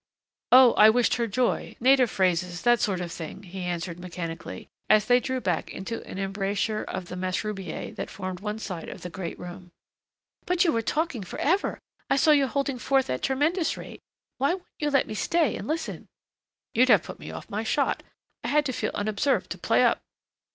"Oh, I wished her joy native phrases that sort of thing," he answered mechanically as they drew back into an embrasure of the mashrubiyeh that formed one side of the great room. "But you were talking forever. I saw you holding forth at a tremendous rate. Why wouldn't you let me stay and listen ?" "You'd have put me off my shot, I had to feel unobserved to play up."